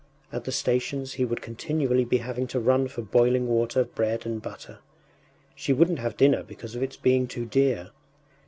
At the stations he would continually be having to run for boiling water, bread and butter.... She wouldn’t have dinner because of its being too dear....